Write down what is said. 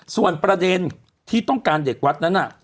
ส่วนประเด็นที่ต้องการเด็กวัดนั้นน่ะ